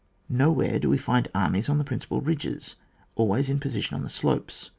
Nowhere do we find armies on the principal ridges always in position on the slopes.